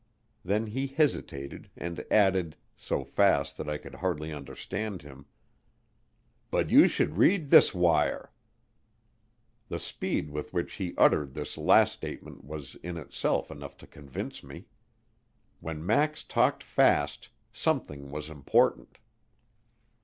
Then he hesitated and added, so fast that I could hardly understand him, "But you should read this wire." The speed with which he uttered this last statement was in itself enough to convince me. When Max talked fast, something was important.